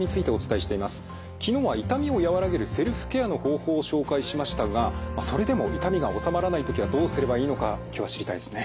昨日は痛みを和らげるセルフケアの方法を紹介しましたがそれでも痛みが治まらない時はどうすればいいのか今日は知りたいですね。